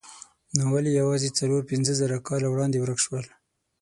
نو ولې یوازې څلور پنځه زره کاله وړاندې ورک شول؟